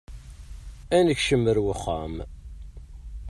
Ad nekcem ar wexxam.